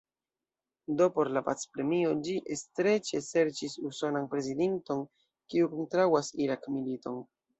Do por la pac-premio ĝi streĉe serĉis usonan prezidinton, kiu kontraŭas Irak-militon.